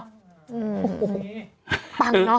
พังเนอะ